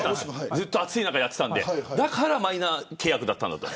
ずっと暑い中やってたんでだからマイナー契約だったんだと。